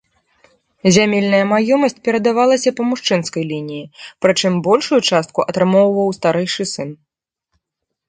Зямельная маёмасць перадавалася па мужчынскай лініі, прычым большую частку атрымоўваў старэйшы сын.